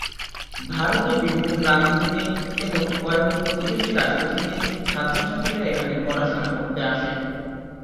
ভারতের বিভিন্ন প্রান্ত থেকে এবং কয়েকটি প্রতিবেশী রাষ্ট্র থেকে ছাত্রছাত্রীরা এখানে পড়াশোনা করতে আসে।